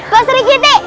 pak sri kiti